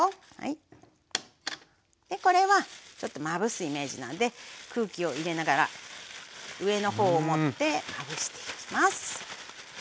これはちょっとまぶすイメージなんで空気を入れながら上のほうを持ってまぶしていきます。